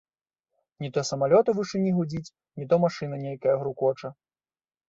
Не то самалёт у вышыні гудзіць, не то машына нейкая грукоча.